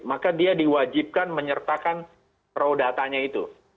maka dia diwajibkan menyertakan raw datanya itu